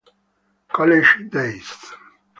College Days